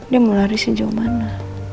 dia mau lari sejauh mana